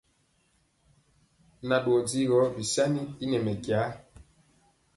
Nan dɔɔ digɔ bisani y nɛ bɛnja.